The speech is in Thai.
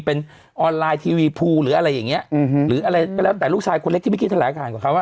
เป็นออนไลน์ทีวีพูลหรืออะไรอย่างนี้หรืออะไรแต่ลูกชายคนเล็กที่ไม่คิดถ้าหลายการกว่าเขา